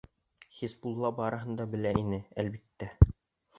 Хисбулла барыһын да белә ине, әлбиттә.